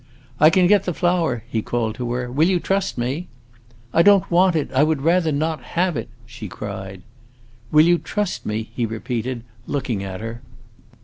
"I can get the flower," he called to her. "Will you trust me?" "I don't want it; I would rather not have it!" she cried. "Will you trust me?" he repeated, looking at her.